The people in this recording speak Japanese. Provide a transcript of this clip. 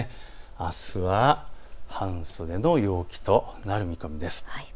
あすは半袖の陽気となる見込みです。